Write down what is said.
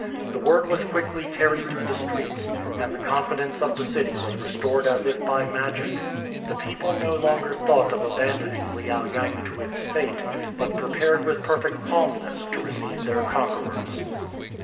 The word was quickly carried through the streets, and the confidence of the city was restored as if by magic. The people no longer thought of abandoning Liao yang to its fate, but prepared with perfect calmness to receive their conquerors.